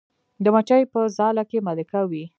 د مچۍ په ځاله کې ملکه وي